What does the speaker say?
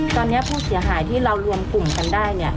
ตอนนี้ผู้เสียหายที่เรารวมกลุ่มกันได้เนี่ย